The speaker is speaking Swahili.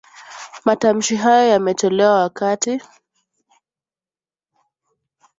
Matamshi hayo yametolewa wakati